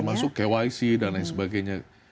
masuk kyc dan lain sebagainya